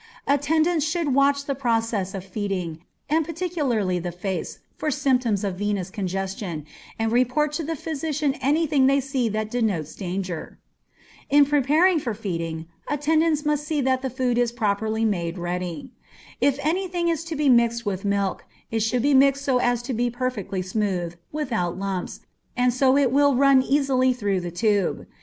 Attendants should watch the process of feeding, and particularly the face, for symptoms of venous congestion, and report to the physician any thing they see that denotes danger. In preparing for feeding, attendants must see that the food is properly made ready. If any thing is to be mixed with milk, it should be mixed so as to be perfectly smooth, without lumps, and so it will run easily through the tube.